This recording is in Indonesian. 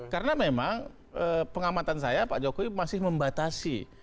karena memang pengamatan saya pak jokowi masih membatasi